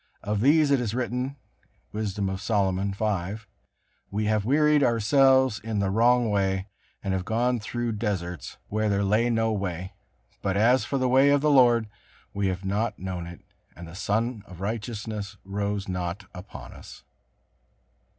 Of these it is written, Wisdom of Solomon v: "We have wearied ourselves in the wrong way; and have gone through deserts, where there lay no way; but as for the way of the Lord, we have not known it, and the sun of righteousness rose not upon us."